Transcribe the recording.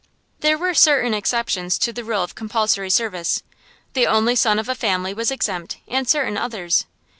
There were certain exceptions to the rule of compulsory service. The only son of a family was exempt, and certain others.